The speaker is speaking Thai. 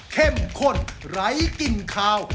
เข้มข้นไร้กลิ่นคาว